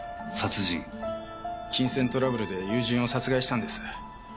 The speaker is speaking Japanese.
金銭トラブルで友人を殺害したんです。